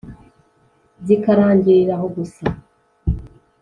zikarangirira aho gusa,